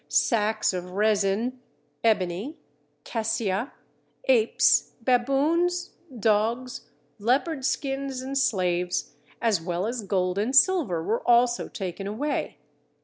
Sacks of resin, ebony, cassia, apes, baboons, dogs, leopard skins, and slaves, as well as gold and silver, were also taken away.